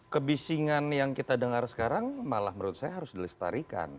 kebisingan yang kita dengar sekarang malah menurut saya harus dilestarikan